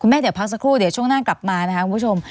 แม่เดี๋ยวพักสักครู่เดี๋ยวช่วงหน้ากลับมานะคะคุณผู้ชม